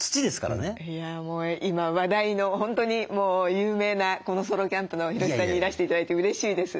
いやもう今話題の本当にもう有名なソロキャンプのヒロシさんにいらして頂いてうれしいです。